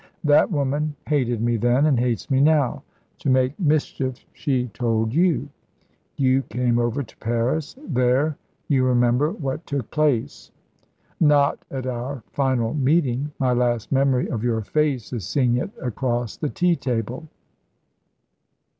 That woman hated me then, and hates me now. To make mischief she told you. You came over to Paris. There, you remember what took place." "Not at our final meeting. My last memory of your face is seeing it across the tea table."